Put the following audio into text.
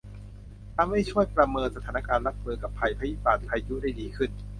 ทำให้ช่วยประเมินสถานการณ์รับมือกับภัยพิบัติพายุได้ดีขึ้น